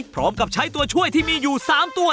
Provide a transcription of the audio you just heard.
พร้อมกับใช้ตัวช่วยที่มีอยู่๓ตัว